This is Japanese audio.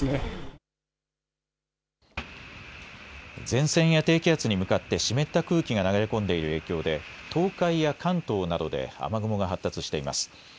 前線や低気圧に向かって湿った空気が流れ込んでいる影響で東海や関東などで雨雲が発達しています。